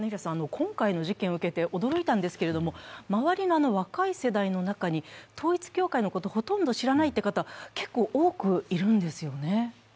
今回の事件を受けて驚いたんですが周りの若い世代の中に統一教会のことをほとんど知らないという方が結構多くいるんですよね。